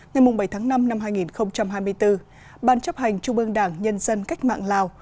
ngày bảy tháng năm năm hai nghìn hai mươi bốn ban chấp hành trung ương đảng nhân dân cách mạng lào